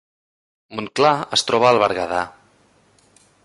Montclar es troba al Berguedà